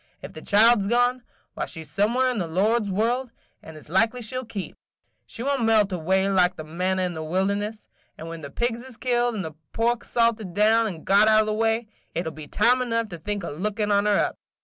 Ef the child 's gone, why she 's somewhere in the Lord's world, and it 's likely she 'll keep, – she won't melt away like the manna in the wilderness; and when the pigs is killed, and the pork salted down and got out o' the way, it 'll be time enough to think o' lookin' on her up.